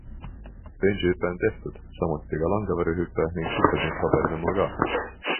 Benji-hüpe on tehtud, samuti ka langevarjuhüpe ning sukeldumispaberid on mul ka.